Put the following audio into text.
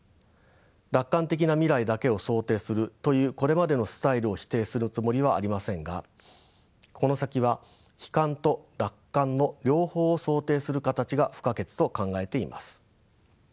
楽観的な未来だけを想定するというこれまでのスタイルを否定するつもりはありませんがこの先は悲観と楽観の両方を想定する形が不可欠と考えています。